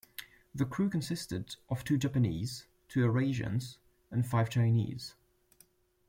The crew consisted of two Japanese, two Eurasians, and five Chinese.